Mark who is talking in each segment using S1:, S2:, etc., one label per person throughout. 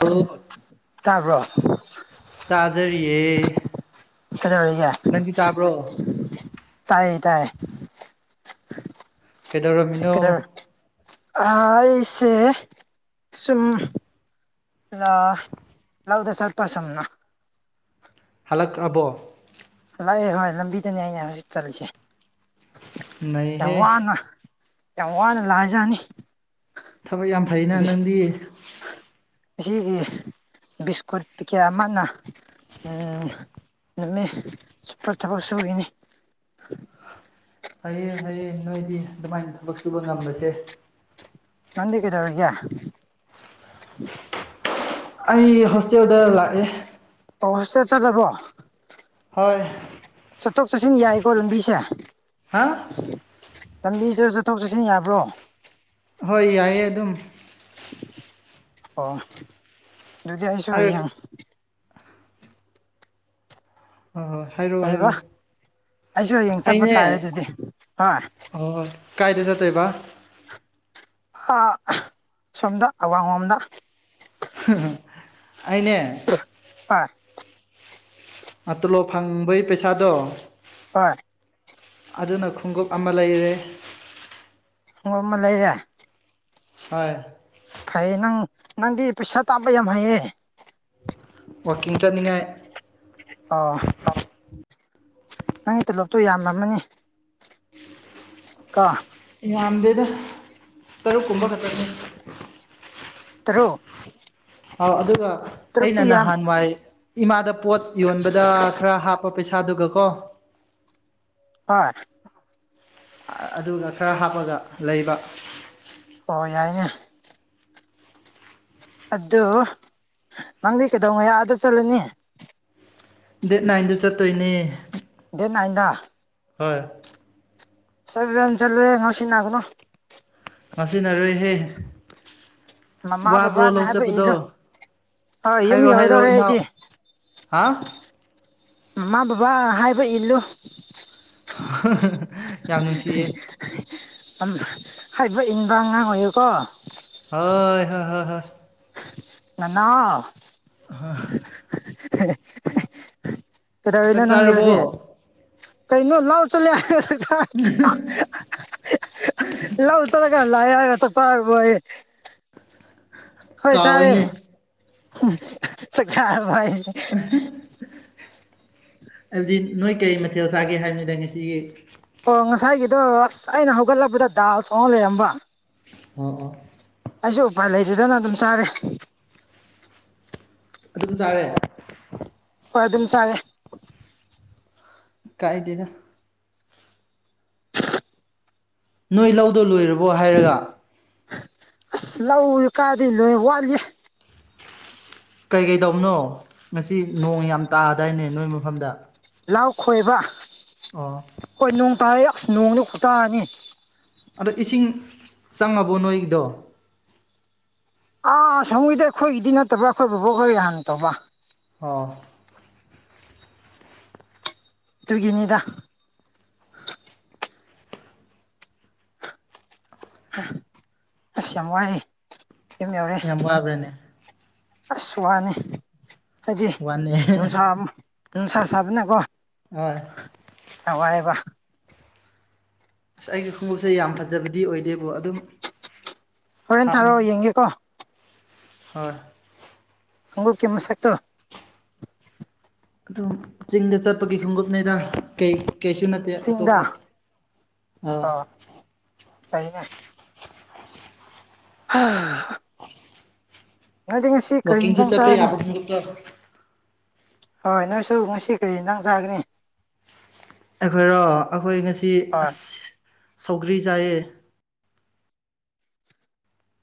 S1: ꯑꯩꯣꯏ
S2: ꯇꯥꯕ꯭ꯔꯣ
S1: ꯇꯥꯖꯔꯤꯌꯦ
S2: ꯀꯩꯗꯧꯔꯤꯒꯦ
S1: ꯅꯪꯗꯤ ꯇꯥꯕ꯭ꯔꯣ
S2: ꯇꯥꯏꯌꯦ ꯇꯥꯏꯌꯦ
S1: ꯀꯩꯗꯧꯔꯝꯃꯤꯅꯣ
S2: ꯑ ꯑꯩꯁꯦ ꯁꯨꯝ ꯂꯥ ꯂꯧꯕꯗ ꯁꯠꯄꯥ ꯁꯝꯅ
S1: ꯍꯜꯂꯛꯑꯕꯣ
S2: ꯂꯥꯛꯑꯦ ꯚꯥꯏ ꯂꯝꯕꯤꯗꯅꯦ ꯑꯩꯅ ꯍꯧꯖꯤꯛ ꯆꯠꯂꯤꯁꯦ ꯌꯥꯝ
S1: ꯅꯩꯍꯦ
S2: ꯋꯥꯅ ꯌꯥꯝ ꯋꯥꯅ ꯂꯥꯛꯏꯖꯥꯠꯅꯤ
S1: ꯊꯕꯛ ꯌꯥꯝ ꯐꯩꯅ ꯅꯪꯗꯤ
S2: ꯑꯁꯤꯒꯤ ꯕꯤꯁꯀꯨꯠ ꯄꯦꯀꯦꯠ ꯑꯃꯅ ꯎꯝ ꯅꯪꯅꯤ ꯁꯨꯄꯔ ꯊꯕꯛ ꯁꯨꯔꯤꯅꯤ
S1: ꯐꯩꯌꯦ ꯐꯩꯌꯦ ꯅꯣꯏꯗꯤ ꯑꯗꯨꯃꯥꯏꯅ ꯊꯕꯛ ꯁꯨꯕ ꯉꯝꯕꯁꯦ
S2: ꯅꯗꯤ ꯀꯗꯔꯌꯥ
S1: ꯑꯩ ꯍꯣꯁꯇꯦꯜꯗ ꯂꯥꯛꯑꯦ
S2: ꯑꯣ ꯍꯣꯁꯇꯦꯜ ꯆꯠꯂꯕꯣ
S1: ꯍꯥꯏ
S2: ꯆꯠꯊꯣꯛ ꯆꯠꯁꯤꯟ ꯌꯥꯏꯀꯣ ꯂꯝꯕꯤꯁꯦ
S1: ꯍꯥ
S2: ꯂꯝꯕꯤ ꯆ ꯆꯠꯊꯣꯛ ꯆꯠꯁꯤꯟ ꯌꯥꯕ꯭ꯔꯣ
S1: ꯍꯣꯏ ꯌꯥꯏꯑꯌꯦ ꯑꯗꯨꯝ
S2: ꯑꯣ ꯑꯗꯨꯗꯤ ꯑꯩꯁꯨ
S1: ꯑꯩ
S2: ꯍꯌꯦꯡꯪ
S1: ꯍꯣꯏ ꯍꯣꯏ ꯍꯥꯏꯔꯛꯑꯣ
S2: ꯀꯩꯕ ꯑꯩꯁꯨ ꯍꯌꯦꯡ
S1: ꯍꯥꯏꯔꯛꯑꯣ
S2: ꯆꯠꯄ
S1: ꯑꯩꯅꯦ
S2: ꯇꯥꯔꯦ ꯑꯗꯨꯗꯤ ꯍꯣꯏ
S1: ꯍꯍꯣꯏ ꯍꯣꯏ ꯀꯥꯏꯗꯤꯁ ꯇꯦꯕ
S2: ꯑ ꯁꯣꯝꯗ ꯑꯋꯥꯡꯣꯝꯗ
S1: ꯑꯅꯦ
S2: [unintelligible]
S1: ꯒ ꯇꯣꯂꯣꯞ ꯐꯪꯕꯩ ꯄꯩꯁꯥꯗꯣ
S2: [unintelligible]
S1: ꯑꯗꯨꯅ ꯈꯣꯡꯎꯞ ꯑꯃ ꯂꯩꯔꯦ
S2: ꯈꯣꯡꯉꯨꯞ ꯑꯃ ꯂꯩꯔꯦ
S1: ꯍꯣꯏ
S2: ꯐꯩꯌꯦ ꯅꯪ ꯅꯪꯗꯤ ꯄꯩꯁꯥ ꯇꯥꯕ ꯌꯥꯝ ꯍꯩꯌꯦ
S1: ꯋꯥꯛꯀꯤꯡ ꯆꯠꯅꯤꯡꯉꯥꯏ
S2: ꯑꯣ ꯅꯪꯒꯤ ꯇꯣꯂꯣꯞꯇꯣ ꯌꯥꯝꯃꯝꯃꯅꯤ ꯀꯣ
S1: ꯌꯥꯝꯗꯦꯗ ꯇꯔꯨꯛ ꯀꯨꯝꯕ ꯈꯛ
S2: ꯏꯁ ꯇꯔꯨꯛ
S1: ꯑ ꯑꯗꯨꯒ ꯑꯩꯅ
S2: ꯇꯔꯨꯛꯇꯤ ꯌꯥꯝ
S1: ꯅꯍꯥꯟꯋꯥꯏ ꯏꯃꯥꯗ ꯄꯣꯠ ꯌꯣꯟꯕꯗ ꯈꯔ ꯍꯥꯞꯄ ꯄꯩꯁꯥꯗꯨꯒ ꯀꯣ
S2: ꯍꯣꯏ
S1: ꯑꯥ ꯑꯗꯨꯗꯥ ꯈꯔ ꯍꯥꯞꯄꯒ ꯂꯩꯕ
S2: ꯑꯣ ꯌꯥꯏꯅꯦ ꯑꯗꯨ ꯅꯪꯗꯤ ꯀꯩꯗꯧꯉꯩ ꯑꯥꯗ ꯆꯠꯂꯅꯤ
S1: ꯗꯦꯠ ꯅꯥꯏꯟꯗ ꯆꯠꯇꯣꯏꯅꯦ
S2: ꯗꯦꯠ ꯅꯥꯏꯟꯗ
S1: ꯍꯣꯏ
S2: [unintelligible] ꯉꯧꯁꯤꯅꯥꯒꯅꯣ
S1: ꯉꯥꯎꯁꯤꯟꯅꯔꯣꯏꯍꯦ
S2: ꯃꯃꯥ
S1: ꯋꯥꯕ꯭ꯔꯣ
S2: ꯕꯕꯥꯅ
S1: ꯂꯧ
S2: ꯍꯥꯏꯕ
S1: ꯆꯠꯄꯗꯣ
S2: ꯏꯜꯂꯨ ꯍꯣꯏ ꯌꯨꯝ
S1: ꯍꯥꯏꯔꯣ ꯍꯥꯏꯔꯣ
S2: ꯌꯧꯗꯧꯔꯦ
S1: ꯏꯅꯥꯎ
S2: ꯑꯩꯗꯤ
S1: ꯍꯥꯥꯎ
S2: ꯃꯃꯥ ꯕꯕꯥ ꯍꯥꯏꯕ ꯏꯜꯂꯨ
S1: ꯌꯥꯝ ꯅꯨꯡꯁꯤꯌꯦ
S2: ꯑꯝ ꯍꯥꯏꯕ ꯏꯟꯕ ꯑꯉꯥꯡ ꯑꯣꯏꯌꯨꯀꯣ
S1: ꯍꯣꯏ ꯍꯣ ꯍꯣ ꯍꯣꯏ
S2: ꯅꯅꯥꯎ
S1: [unintelligible]
S2: [unintelligible] ꯀꯩꯗꯧꯔꯤꯅꯣ
S1: ꯆꯥꯛ
S2: ꯅꯪꯗꯤ
S1: ꯆꯥꯔꯕꯣ
S2: ꯍꯧꯖꯤꯛ ꯀꯩꯅꯣ ꯂꯥꯎ ꯆꯠꯂꯦ [unintelligible] ꯂꯧ ꯆꯠꯂꯒ ꯂꯥꯛꯑꯦ ꯍꯥꯏꯔꯒ ꯆꯥꯛ ꯆꯥꯔꯕꯌꯦ ꯍꯣꯏ ꯆꯔꯦ
S1: ꯀꯥꯎꯏꯅꯦ
S2: ꯆꯥꯛ ꯆꯥꯔꯕꯌꯦ
S1: ꯍꯥꯏꯕꯗꯤ ꯅꯣꯏ ꯀꯔꯤ ꯃꯊꯦꯜ ꯆꯥꯒꯦ ꯍꯥꯏꯕꯅꯤꯗ ꯉꯁꯤꯒꯤ
S2: ꯑꯣ ꯉꯁꯥꯏꯒꯤꯗꯣ ꯑꯁ ꯑꯩꯅ ꯍꯧꯒꯠꯂꯕꯗ ꯗꯥꯜ ꯊꯣꯡꯉꯥꯒ ꯂꯩꯔꯝꯕ
S1: ꯑꯣ ꯑꯣ
S2: ꯑꯩꯁꯨ ꯎꯄꯥꯏ ꯂꯩꯇꯥꯗꯅ ꯑꯗꯨꯝ ꯆꯥꯔꯦ
S1: ꯑꯗꯨ ꯆꯥꯔꯦ
S2: ꯍꯣꯏ ꯑꯗꯨꯝ ꯆꯥꯔꯦ
S1: ꯀꯥꯏꯗꯦꯗꯥ ꯅꯣꯏ ꯂꯧꯗꯣ ꯂꯣꯏꯔꯕꯣ ꯍꯥꯏꯔꯒ
S2: ꯑꯁ ꯂꯧꯗꯣ ꯀꯥꯗꯩ ꯅꯣꯏ ꯋꯥꯠꯂꯤꯌꯦ
S1: ꯀꯩ ꯀꯩꯇꯧꯕꯅꯣ ꯉꯁꯤ ꯅꯣꯡ ꯌꯥꯝ ꯇꯥꯗꯥꯏꯅꯦ ꯅꯣꯏ ꯃꯐꯝꯗꯥ
S2: ꯂꯥꯎ ꯈꯣꯏꯕ
S1: ꯑꯣ
S2: ꯍꯣꯏ ꯅꯣꯡ ꯇꯥꯔꯦ ꯑꯁ ꯅꯣꯡꯗꯤ ꯈꯨꯇꯥꯅꯤ
S1: ꯑꯗꯣ ꯏꯁꯤꯡ ꯆꯪꯉꯕꯣ ꯅꯣꯏꯒꯤꯗꯣ
S2: ꯑꯥ ꯁꯃꯣꯏꯗꯤ ꯑꯩꯈꯣꯏꯒꯤꯗꯤ ꯅꯠꯇꯕ ꯑꯩꯈꯣꯏ ꯕꯣꯕꯣꯛꯛꯈꯣꯏ ꯍꯥꯟꯅ ꯇꯧꯕ
S1: ꯑꯥ
S2: ꯗꯨꯒꯤꯅꯤꯗ ꯑꯁ ꯌꯥꯝ ꯋꯥꯏꯑꯦ ꯌꯨꯝ ꯌꯧꯔꯦ
S1: ꯌꯥꯝ ꯋꯥꯕ꯭ꯔꯥꯅꯦ
S2: ꯑꯁꯋꯥꯅꯤ ꯍꯥꯏꯗꯤ
S1: ꯋꯥꯅꯦ
S2: ꯅꯨꯡꯁꯥ ꯑꯃ ꯅꯨꯡꯁꯥ ꯁꯥꯕꯅꯀꯣ
S1: ꯍꯣꯏ
S2: ꯋꯥꯏꯌꯦꯕ
S1: ꯑꯁ ꯑꯩꯒꯤ ꯈꯨꯎꯞꯁꯦ ꯌꯥꯝ ꯐꯖꯕꯗꯤ ꯑꯣꯏꯗꯦꯕꯨ ꯑꯗꯨꯝ
S2: ꯍꯣꯔꯦꯟ ꯊꯥꯔꯛꯑꯣ
S1: ꯍꯥꯞꯅꯤꯡꯉꯤ
S2: ꯌꯦꯡꯒꯦꯀꯣ
S1: ꯍꯣꯏ
S2: ꯈꯨꯉꯨꯞꯀꯤ ꯃꯁꯛ ꯇꯣ
S1: ꯑꯗꯣ ꯆꯤꯡꯗ ꯆꯠꯄꯒꯤ ꯈꯣꯡꯎꯞꯅꯤꯗ ꯀꯩ ꯀꯩꯁꯨ ꯅ
S2: ꯁꯤꯡꯗ ꯑ ꯐꯩꯅꯦ ꯍꯥ ꯅꯪꯗꯤꯉꯥꯁꯤ
S1: ꯋꯥꯀꯤꯡꯁꯨ ꯆꯠꯄ ꯌꯥꯕꯈꯨꯉꯨꯞꯇ
S2: ꯍꯣꯏ ꯅꯣꯏꯁꯨ ꯉꯁꯤ ꯀꯔꯤ ꯏꯟꯖꯥꯡ ꯆꯥꯒꯅꯤ
S1: ꯑꯩꯈꯣꯏꯔꯣ ꯑꯈꯣꯏ ꯉꯁꯤ
S2: ꯍꯣꯏ
S1: ꯑꯁ ꯁꯧꯒ꯭ꯔꯤ ꯆꯥꯏꯌꯦ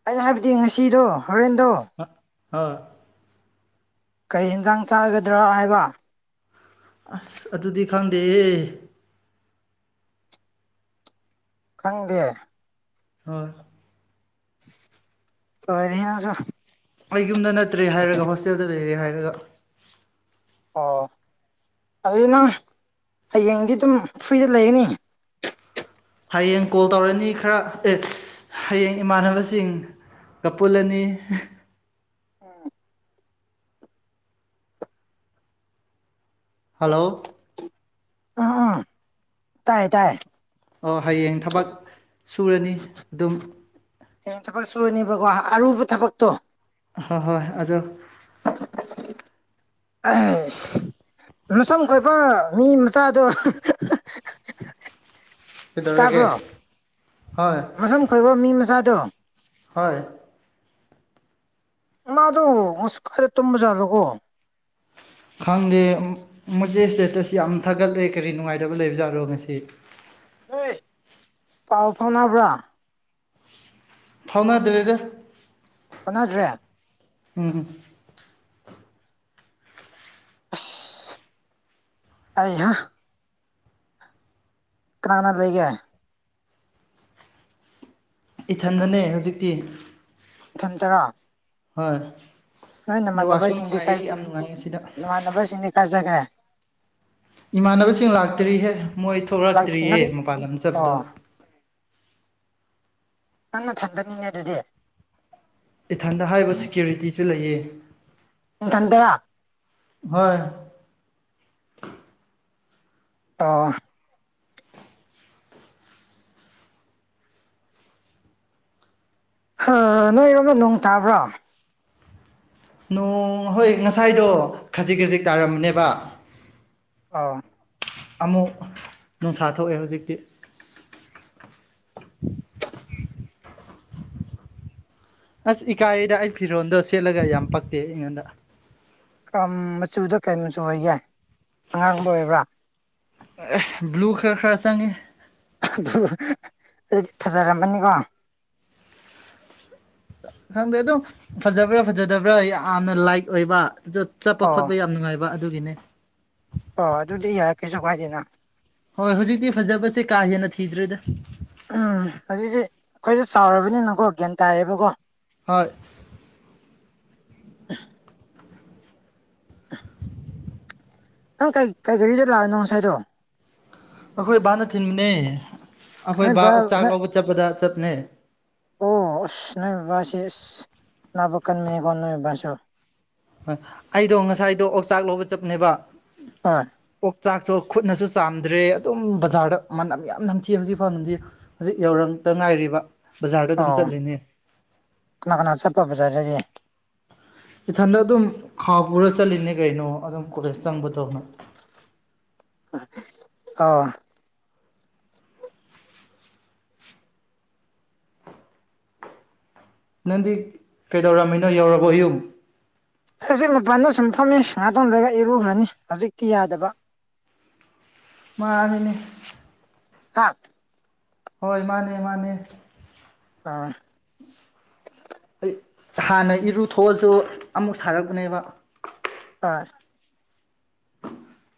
S2: ꯑꯩꯅ ꯍꯥꯏꯕꯗꯤ ꯉꯁꯤꯗꯣ ꯍꯣꯔꯦꯟꯗꯣ
S1: ꯑꯥ
S2: ꯀꯩ ꯌꯦꯟꯖꯥꯡ ꯆꯥꯒꯗ꯭ꯔꯥ ꯍꯥꯏꯕ
S1: ꯑꯁ ꯑꯗꯨꯗꯤ ꯈꯪꯗꯦꯍ
S2: ꯈꯪꯗꯦ
S1: ꯍꯣꯢ
S2: ꯂꯣꯏꯔꯦꯍꯦ ꯅꯪꯖꯨ
S1: ꯑꯩ ꯌꯨꯝꯗ ꯅꯠꯇ꯭ꯔꯦ ꯍꯥꯏꯔꯒ ꯍꯣꯁꯇꯦꯜꯗ ꯂꯩꯔꯦ ꯍꯥꯏꯔꯒ
S2: ꯑꯣ ꯑꯗꯨꯗꯤ ꯅꯪ ꯍꯌꯦꯡꯗꯤ ꯑꯗꯨꯝ ꯐ꯭ꯔꯤꯗ ꯂꯩꯒꯅꯤ
S1: ꯍꯌꯦꯡ ꯀꯣꯜ ꯇꯧꯔꯅꯤ ꯈꯔ ꯑꯦꯁ ꯍꯌꯦꯡ ꯏꯃꯥꯟꯅꯕꯁꯤꯡ ꯀꯄꯨꯜꯂꯅꯤ ꯍꯜꯂꯣ
S2: ꯑꯥ ꯑꯥ ꯇꯥꯏ ꯇꯥꯏ
S1: ꯑꯣ ꯍꯌꯦꯡ ꯊꯕꯛ ꯁꯨꯔꯅꯤ ꯑꯗꯨꯝ
S2: ꯍꯌꯦꯡ ꯊꯕꯛ ꯁꯨꯨꯅꯤꯕꯀꯣ ꯑꯔꯨꯕ ꯊꯕꯛꯇꯣ
S1: ꯑꯍꯣꯏ ꯍꯣꯏ ꯑꯗꯣ
S2: [inaudible] ꯑꯁ ꯃꯁꯝ ꯀꯣꯏꯕ ꯃꯤ ꯃꯆꯥꯗꯣ
S1: ꯀꯩꯗꯧꯔꯒꯦ ꯍꯣꯏ
S2: ꯀꯣꯏꯕ ꯃꯤ ꯃꯆꯥꯗꯣ
S1: ꯍꯣꯏ
S2: ꯎ ꯃꯥꯗꯣ ꯃꯨꯁ ꯈꯔ ꯇꯨꯝꯕ ꯖꯥꯠꯂꯒꯣ
S1: ꯈꯪꯗꯦ ꯃꯦ ꯁ꯭ꯇꯦꯇꯁ ꯌꯥꯝ ꯊꯥꯒꯠꯂꯦ ꯀꯔꯤ ꯅꯨꯡꯉꯥꯏꯇꯕ ꯂꯩꯕꯖꯥꯠꯔꯣ ꯉꯁꯤ
S2: ꯅꯣꯏ ꯄꯥꯎ ꯐꯥꯎꯅꯕ꯭ꯔ
S1: ꯐꯥꯎꯅꯗꯔꯦꯗ
S2: ꯐꯥꯎꯅꯗ꯭ꯔꯦ
S1: ꯎꯝ ꯎꯝ
S2: ꯑꯁ ꯑꯩꯍ ꯀꯅꯥꯥ ꯀꯅꯥ ꯂꯩꯒꯦ
S1: ꯏꯊꯟꯗꯅꯦ ꯍꯧꯖꯤꯛꯇꯤ
S2: ꯏꯊꯟ ꯇꯔꯥ
S1: ꯍꯣꯏ
S2: ꯅꯣꯏ
S1: ꯅꯦꯠꯋꯥꯛꯁꯨ
S2: ꯅꯃꯥꯟꯅꯕꯁꯤꯡꯗꯤ
S1: ꯅꯨꯡꯉꯥꯏꯌꯦ ꯌꯥꯝ ꯅꯨꯡꯉꯥꯏꯌꯦ ꯁꯤꯗ
S2: ꯅꯃꯥꯟꯅꯕꯁꯤꯡꯗꯤ ꯀꯥꯖꯈ꯭ꯔꯦ
S1: ꯏꯃꯥꯟꯅꯕꯁꯤꯡ ꯂꯥꯛꯇ꯭ꯔꯤꯍꯦ ꯃꯣꯏ
S2: ꯂꯥꯛ
S1: ꯊꯣꯛꯂꯛꯇ꯭ꯔꯤꯌꯦ
S2: ꯅꯪ
S1: ꯃꯄꯥꯟ ꯂꯝ ꯆꯠꯕꯗꯣ
S2: ꯑꯣ ꯅꯪ ꯊꯟꯗꯅꯤꯅꯦ ꯑꯗꯨꯗꯤ
S1: ꯏꯊꯟꯗ ꯍꯥꯏꯔꯤꯕ ꯁꯦꯀ꯭ꯌꯨꯔꯤꯇꯤꯁꯨ ꯂꯩꯌꯦ
S2: ꯏꯊꯟꯇꯔ
S1: ꯍꯣꯏ
S2: ꯑꯣ ꯅꯣꯏꯔꯣꯝꯗ ꯅꯣꯡ ꯇꯥꯕ꯭ꯔꯣ
S1: ꯅꯣꯡ ꯍꯣꯏ ꯉꯁꯥꯏꯗꯣ ꯈꯖꯤꯛ ꯈꯖꯤꯛ ꯇꯥꯔꯝꯕꯅꯦꯕ
S2: ꯑꯥꯎ
S1: ꯑꯃꯨꯛ ꯅꯨꯡꯁꯥ ꯊꯣꯛꯑꯦ ꯍꯧꯖꯤꯛꯇꯤ ꯑꯁ ꯏꯀꯥꯏꯗ ꯑꯩ ꯐꯤꯔꯣꯟꯜꯗꯣ ꯁꯦꯠꯂꯒ ꯌꯥꯝ ꯄꯛꯇꯦ ꯑꯩꯉꯣꯟꯗ
S2: ꯃꯆꯨꯗ ꯀꯩ ꯃꯆꯨ ꯑꯣꯏꯒꯦ ꯑꯉꯥꯡꯕ ꯑꯣꯏꯕ꯭ꯔꯥ
S1: ꯕ꯭ꯂꯨ ꯈꯔ ꯈꯔ ꯆꯪꯉꯦ
S2: ꯑꯗꯨ ꯑꯗꯨꯗꯤ ꯐꯖꯔꯝꯃꯅꯤꯀꯣ
S1: ꯈꯪꯗꯦ ꯑꯗꯨꯝ ꯐꯖꯕ꯭ꯔꯥ ꯐꯖꯗꯕ꯭ꯔꯥ ꯌꯥꯝꯅ ꯂꯥꯏꯠ ꯑꯣꯏꯕ ꯑ ꯆꯠꯄ
S2: ꯑꯣ
S1: ꯈꯣꯠꯄ ꯌꯥꯝ ꯅꯨꯡꯉꯥꯏꯕ ꯑꯗꯨꯒꯤꯅꯦ
S2: ꯑꯣ ꯑꯗꯨꯗꯤ ꯌꯥꯏ ꯀꯩꯁꯨ ꯀꯥꯏꯗꯦꯅ
S1: ꯍꯣꯏ ꯍꯧꯖꯤꯛꯇꯤ ꯐꯖꯕꯁꯦ ꯀꯥ ꯍꯦꯟꯅ ꯊꯤꯗ꯭ꯔꯦꯗ
S2: ꯎꯝ ꯑꯗꯩꯗꯤ ꯑꯩꯈꯣꯏꯁꯨ ꯆꯥꯎꯔꯕꯅꯤꯅꯀꯣ ꯒ꯭ꯌꯥꯟ ꯇꯥꯏꯌꯦꯕꯀꯣ
S1: ꯍꯣꯏ
S2: ꯅꯪ ꯀꯩ ꯀꯩ ꯔꯤꯗ ꯂꯥꯛꯑꯅꯣ ꯉꯁꯥꯏꯗꯣ
S1: ꯑꯩꯈꯣꯏ ꯕꯥꯅ ꯊꯤꯟꯕꯅꯦ ꯑꯩꯈꯣꯏ
S2: ꯅꯣꯏ
S1: ꯕꯥ ꯑꯣꯛꯆꯥꯛ
S2: ꯅꯣꯏ
S1: ꯂꯧꯕ ꯆꯠꯄꯗ ꯆꯠꯄꯅꯦ
S2: ꯑꯣ ꯑꯁ ꯅꯣꯏ ꯕꯕꯥꯁꯤ ꯑꯁ ꯅꯥꯕ ꯀꯟꯃꯤꯅꯦꯀꯣ ꯅꯣꯏ ꯕꯥꯁꯨ
S1: ꯑꯩꯗꯣ ꯉꯁꯥꯏꯗꯣ ꯑꯣ ꯆꯥꯛ ꯂꯧꯕ ꯆꯞꯅꯦꯕ
S2: [unintelligible]
S1: ꯑꯣꯛꯆꯥꯛꯁꯨ ꯈꯨꯠꯅꯁꯨ ꯆꯥꯝꯗ꯭ꯔꯦ ꯑꯗꯨꯝ ꯕꯖꯥꯔꯗ ꯃꯅꯝ ꯌꯥꯝ ꯅꯝꯊꯤ ꯍꯧꯖꯤꯛ ꯐꯥꯎꯗꯤ ꯍꯧꯖꯤꯛ ꯌꯥꯎꯔꯪꯗ ꯉꯥꯏꯔꯤꯕ ꯕꯖꯥꯔꯗ ꯑꯗꯨꯝ
S2: ꯑꯣ
S1: ꯆꯠꯂꯤꯅꯦ
S2: ꯀꯅꯥ ꯀꯅꯥ ꯆꯠꯄꯕꯖ ꯍꯥꯏꯔꯗꯤ
S1: ꯏꯊꯟꯗ ꯑꯗꯨꯝ ꯈꯥꯎ ꯄꯨꯔ ꯆꯠꯂꯤꯅꯦ ꯀꯩꯅꯣ ꯑꯗꯨꯝ ꯀꯣꯂꯦꯖ ꯆꯪꯕ ꯇꯧꯅ
S2: ꯑꯣ
S1: ꯅꯪꯗꯤ ꯀꯩꯗꯧꯔꯝꯃꯤꯅꯣ ꯌꯧꯔꯕꯣ ꯌꯌꯨꯝ
S2: ꯑꯩ ꯍꯧꯖꯤꯛ ꯃꯄꯥꯟꯗ ꯁꯨꯝ ꯐꯝꯃꯤ ꯉꯥꯇꯣꯝꯗꯒ ꯏꯔꯨꯈ꯭ꯔꯅꯤ ꯍꯧꯖꯤꯛꯇꯤ ꯌꯥꯗꯕ
S1: ꯃꯥꯜꯂꯤꯅꯦ
S2: [unintelligible]
S1: ꯍꯣꯏ ꯃꯥꯅꯦ ꯃꯥꯅꯦ
S2: ꯑꯥ
S1: ꯑꯩ ꯍꯥꯟꯅ ꯏꯔꯨ ꯊꯣꯛꯑꯁꯨ ꯑꯃꯨꯛ ꯁꯥꯔꯛꯄꯅꯦꯕ
S2: [unintelligible]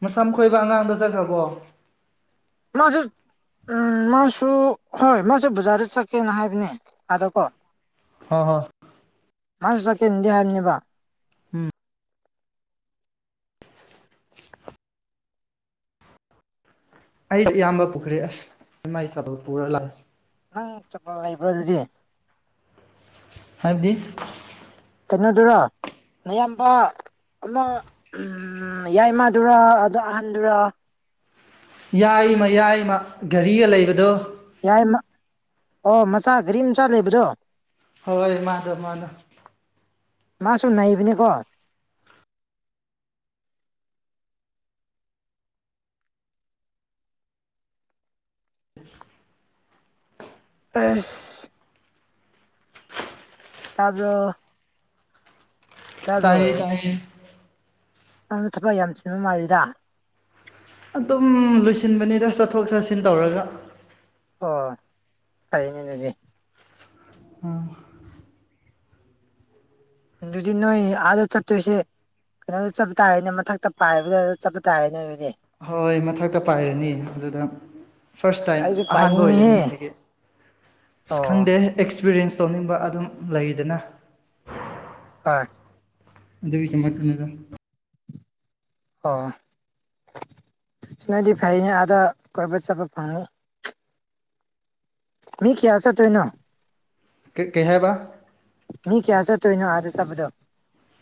S1: ꯃꯁꯝ ꯈꯣꯏꯕ ꯑꯉꯥꯡꯗꯣ ꯆꯠꯈ꯭ꯔꯥꯕꯣ
S2: ꯃꯥꯖꯨ ꯎꯝ ꯃꯥꯁꯨ ꯍꯣꯏ ꯃꯥꯁꯨ ꯕꯖꯥꯔꯗ ꯆꯠꯀꯦꯅ ꯍꯥꯏꯕꯅꯦ ꯑꯥꯗꯀꯣ
S1: ꯍ ꯍ
S2: ꯃꯥꯁꯨ ꯆꯠꯀꯦꯅꯗꯤ ꯍꯥꯏꯕꯅꯦꯕ
S1: ꯎꯝ ꯑꯩ ꯏꯌꯥꯝꯕ ꯄꯨꯈ꯭ꯔꯤ ꯑꯁ ꯏꯃꯥꯏ ꯆꯕꯜ [unintelligible] ꯄꯨꯔ ꯂꯥꯛ
S2: ꯅꯪ ꯆꯠꯄ ꯂꯩꯕ꯭ꯔꯥ ꯑꯗꯨꯗꯤ
S1: ꯍꯥꯏꯕꯗꯤ
S2: ꯀꯩꯅꯣꯗꯨꯔꯣ ꯑꯌꯥꯝꯕ ꯑꯃ ꯎꯝ ꯌꯥꯏꯃꯥꯗꯨꯔꯥ ꯑꯗꯣ ꯑꯍꯟꯗꯨꯔꯥ
S1: ꯌꯥꯏꯃ ꯌꯥꯏꯃ ꯒꯥꯔꯤꯒ ꯂꯩꯕꯗꯣ
S2: ꯌꯥꯏ ꯑꯣ ꯃꯆꯥ ꯒꯥꯔꯤ ꯃꯆꯥ ꯂꯩꯕꯗꯣ
S1: ꯍꯣꯏ ꯍꯥꯏ ꯃꯗꯣ ꯃꯗꯣ
S2: ꯃꯥꯁꯨ ꯅꯅꯥꯏꯕꯅꯦꯀꯣ
S1: [unintelligible]
S2: ꯑꯁ ꯇꯥꯕꯔꯣ
S1: ꯇꯥꯏꯌꯦ ꯇꯥꯏꯌꯦ
S2: [unintelligible] ꯊꯕꯛ ꯌꯥꯝ ꯆꯤꯟꯕ ꯃꯥꯜꯂꯤꯗ
S1: ꯑꯗꯨꯝ ꯂꯣꯏꯁꯤꯟꯕꯅꯤꯗ ꯆꯠꯊꯣꯛ ꯆꯠꯁꯤꯟ ꯇꯧꯔꯒ
S2: ꯑꯣ ꯀꯅꯤ ꯑꯗꯨꯗꯤ
S1: ꯎꯝ
S2: ꯑꯗꯨꯗꯤ ꯅꯣꯏ ꯑꯗ ꯆꯠꯇꯣꯏꯁꯦ ꯀꯩꯅꯣ ꯆꯠꯄ ꯇꯥꯔꯦꯅꯦ ꯃꯊꯛꯇ ꯄꯥꯏꯕꯗꯨ ꯆꯠꯄ ꯇꯥꯔꯦꯅꯦ ꯑꯗꯨꯗꯤ
S1: ꯍꯣꯏ ꯃꯊꯛꯇ ꯄꯥꯏꯔꯅꯤ ꯑꯗꯨꯗ ꯐꯥꯔꯁ
S2: ꯑꯁ
S1: ꯇꯥꯏꯝ
S2: ꯑꯩꯁꯨ
S1: ꯑꯍꯥꯟꯕ
S2: ꯄꯥꯏꯅꯤꯡꯉꯤꯍꯦ
S1: ꯑꯣꯏꯒꯅꯤ ꯑꯩꯒꯤ ꯑꯁ
S2: ꯑꯣ
S1: ꯈꯪꯗꯦ ꯑꯦꯛꯁꯄꯤꯔꯤꯌꯦꯟꯁ ꯇꯧꯅꯤꯡꯕ ꯑꯗꯨꯝ ꯂꯩꯗꯅ
S2: ꯇꯥꯏ
S1: ꯑꯗꯨꯒꯤꯃꯗ
S2: ꯑꯣ ꯁꯤꯅꯗꯤ ꯐꯩꯅꯦ ꯑꯥꯗ ꯀꯣꯏꯕ ꯆꯠꯄ ꯐꯪꯉꯤ ꯃꯤ ꯀꯌꯥ ꯆꯠꯇꯣꯏꯅꯣ
S1: ꯀꯩ ꯍꯥꯏꯕ
S2: ꯃꯤ ꯀꯌꯥꯁꯦ ꯇ ꯏꯩꯅꯣ ꯍꯥꯥꯗꯁꯥꯕꯗꯣ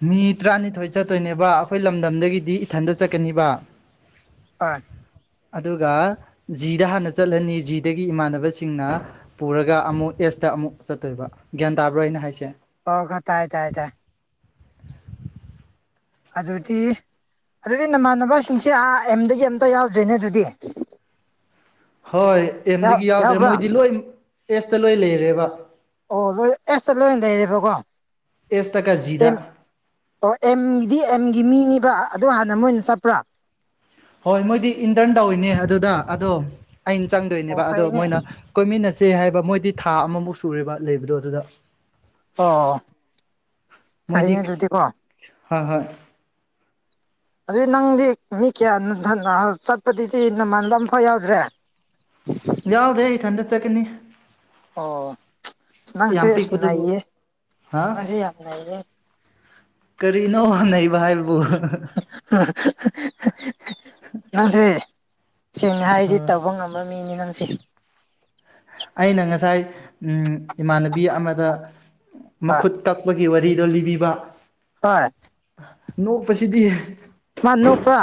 S1: ꯃꯤ ꯇꯔꯥꯅꯤꯊꯣꯏ ꯆꯠꯇꯣꯏꯅꯦꯕ ꯑꯩꯈꯣꯏ ꯂꯝꯗꯝꯗꯒꯤꯗꯤ ꯏꯊꯟꯗ ꯆꯠꯀꯅꯤꯕ
S2: ꯍꯥꯏ
S1: ꯑꯗꯨꯒ ꯖꯤꯗ ꯍꯟꯅ ꯆꯠꯂꯅꯤ ꯖꯤꯗꯒꯤ ꯏꯃꯥꯟꯅꯕꯁꯤꯡꯅ ꯄꯨꯔꯒ ꯑꯃꯨꯛ ꯑꯦꯁꯇ ꯑꯃꯨꯛ ꯆꯠꯇꯣꯏꯕ ꯒ꯭ꯌꯥꯟ ꯇꯥꯕ꯭ꯔꯣ ꯑꯩꯅ ꯍꯥꯏꯁꯦ
S2: [unintelligible] ꯇꯥꯏ ꯇꯥꯏ ꯇꯥꯏ ꯑꯗꯨꯗꯤ ꯑꯗꯨꯗꯤ ꯅꯃꯥꯟꯅꯕꯁꯤꯡꯁꯦ ꯑꯥ ꯑꯦꯝꯗꯒꯤ ꯑꯝꯇ ꯌꯥꯎꯗ꯭ꯔꯦꯅꯦ ꯑꯗꯨꯗꯤ
S1: ꯍꯣꯏ ꯑꯦꯝꯗꯒꯤ ꯌꯥꯎꯗ꯭ꯔꯦ
S2: ꯌꯥꯎꯕ꯭ꯔꯥ
S1: ꯃꯣꯏꯗꯤ ꯂꯣꯏ ꯑꯦꯁꯇ ꯂꯣꯏ ꯂꯩꯔꯦꯕ
S2: ꯑꯣ ꯂꯣꯏ ꯑꯦꯁꯇ ꯂꯣꯏꯅ ꯂꯩꯔꯦꯕꯀꯣ
S1: ꯑꯦꯁꯇ ꯀꯥꯖꯤꯗ
S2: ꯑꯦꯝ ꯑꯣ ꯑꯦꯝꯒꯤꯗꯤ ꯑꯦꯝꯒꯤ ꯃꯤꯅꯦꯕ ꯑꯗꯣ ꯍꯥꯟꯅ ꯃꯣꯏꯅ ꯆꯠꯄ꯭ꯔꯥ
S1: ꯍꯣꯏ ꯃꯣꯏꯗꯤ ꯏꯟꯇꯔꯟ ꯇꯧꯋꯤꯅꯦ ꯑꯗꯨꯗ ꯑꯗꯣ ꯑꯩꯅ
S2: ꯑꯣ
S1: ꯆꯪꯗꯣꯏꯅꯦꯕ ꯑꯗꯣ
S2: ꯐꯩꯅꯦ
S1: ꯃꯣꯏꯅ ꯀꯣꯏꯃꯤꯟꯅꯁꯦ ꯍꯥꯏꯕ ꯃꯣꯏꯗꯤ ꯊꯥ ꯑꯃꯃꯨꯛ ꯁꯨꯔꯦꯕ ꯂꯩꯕꯗꯣ ꯑꯗꯨꯗ
S2: ꯑꯣ
S1: ꯃꯣꯏꯗꯤ
S2: ꯐꯩꯅꯦ ꯑꯗꯨꯗꯤꯀꯣ
S1: ꯍꯣꯏ ꯍꯣꯏ
S2: ꯑꯗꯨꯏ ꯅꯪꯗꯤ ꯃꯤ ꯀꯌꯥ ꯆꯠꯄꯗꯨꯗꯤ ꯅꯃꯥꯟꯕ ꯑꯃꯝꯐꯥꯎ ꯌꯥꯎꯗ꯭ꯔꯦ [inaudible]
S1: ꯌꯥꯎꯗꯦ ꯏꯊꯟꯇ ꯆꯠꯀꯅꯤ
S2: ꯑꯣ ꯁꯤ ꯅꯪꯁꯦ
S1: ꯌꯥꯝ
S2: ꯁꯤꯌꯦ ꯁꯤ
S1: ꯄꯤꯛꯄꯗꯨꯕꯨ ꯍꯥ
S2: ꯅꯁ ꯌꯥꯝ ꯂꯩꯌꯦ
S1: ꯀꯔꯤꯅꯣ ꯅꯩꯕ ꯍꯥꯏꯕꯨ
S2: ꯅꯪꯁꯦ ꯁꯦꯡꯅ ꯍꯥꯏꯔꯗꯤ
S1: ꯑꯥ
S2: ꯇꯧꯕ ꯉꯝ ꯃꯝꯕ ꯃꯤꯅꯤ ꯅꯪꯁꯦ
S1: ꯑꯩꯅ ꯉꯁꯥꯏ ꯏꯃꯥꯟꯅꯕꯤ ꯑꯃꯗ
S2: ꯍꯣꯏ
S1: ꯃꯈꯨꯠ ꯀꯛꯄꯒꯤ ꯋꯥꯔꯤꯗꯣ ꯂꯤꯕꯤꯕ
S2: ꯍꯣꯏ
S1: ꯅꯣꯛꯄꯁꯤꯗꯤ
S2: ꯃꯅꯨꯄꯥ꯭ꯔ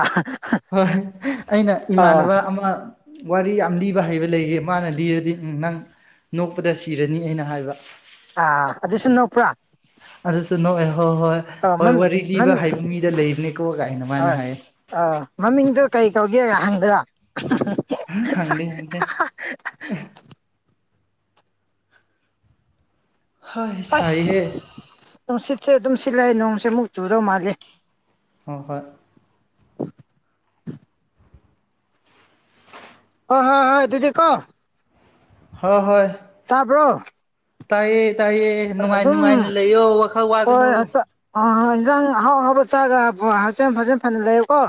S1: ꯍꯣꯏ ꯑꯩꯅ ꯏꯃꯥꯟꯅꯕ ꯑꯃ ꯋꯥꯔꯤ ꯌꯥꯝ ꯂꯤꯕ ꯍꯩꯕ ꯂꯩꯌꯦ ꯃꯥꯅ ꯂꯤꯔꯗꯤ ꯅꯪ ꯅꯣꯛꯄꯗ ꯁꯤꯔꯅꯤ ꯑꯩꯅ ꯍꯥꯏꯕ
S2: ꯑꯥ ꯑꯗꯨꯁꯨ ꯅꯛꯄ꯭ꯔꯥ
S1: ꯑꯗꯨꯁꯨ ꯅꯣꯛꯏ ꯍꯣꯏ ꯍꯣꯏ
S2: ꯑꯣ
S1: ꯍꯣꯏ
S2: ꯃꯝ
S1: ꯋꯥꯔꯤ
S2: ꯃꯝ
S1: ꯂꯤꯕ ꯍꯥꯏꯕ ꯃꯤꯗ ꯂꯩꯕꯅꯦꯀꯣ ꯑꯩꯅ ꯃꯥꯅ
S2: ꯍꯣꯏ
S1: ꯍꯥꯏꯌꯦ
S2: ꯑꯥ ꯃꯃꯤꯡꯗꯨꯣ ꯀꯩ ꯀꯧꯒꯦ ꯍꯪꯗ꯭ꯔ
S1: [unintelligible] ꯍꯣꯏ
S2: ꯍꯁ
S1: ꯁꯥꯏꯍꯦ
S2: ꯅꯨꯡꯁꯤꯠꯁꯦ ꯑꯗꯨꯝ ꯁꯤꯠꯂꯑꯦ ꯅꯣꯡꯁꯦ ꯃꯨꯛ ꯆꯨꯗꯧ ꯃꯥꯜꯂꯦ
S1: [unintelligible] ꯍꯣꯏ
S2: ꯍ ꯍꯣꯏ ꯍꯣꯏ ꯑꯗꯨꯗꯤ ꯀꯣ
S1: ꯍꯣꯏ ꯍꯣꯏ
S2: ꯇꯥꯕ꯭ꯔꯣ
S1: ꯇꯥꯏꯑꯌꯦ ꯇꯥꯏꯑꯌꯦ ꯅꯨꯡꯉꯥꯏ
S2: ꯑꯗꯨꯝ
S1: ꯅꯨꯡꯉꯥꯏꯅ ꯂꯩꯌꯣ ꯋꯥꯈꯜ ꯋꯥꯒꯅꯨ
S2: ꯑ ꯏꯟꯖꯥꯡ ꯑꯍꯥꯎ ꯍꯥꯎ ꯆꯥꯛꯒ ꯍꯥꯆꯥꯟ ꯐꯖꯦꯜ ꯐꯅ ꯂꯩꯌꯦꯀꯣ